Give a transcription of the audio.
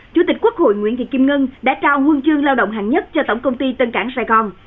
chủ tịch quốc hội nguyễn thị kim ngân đã trao huân chương lao động hạng nhất cho tổng công ty tân cảng sài gòn